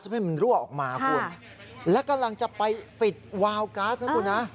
ให้มันรั่วออกมาคุณและกำลังจะไปปิดวาวก๊าซนะคุณนะ